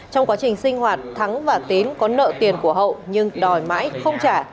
trong quá trình sinh hoạt thắng và tín có nợ tiền của hậu nhưng đòi mãi không trả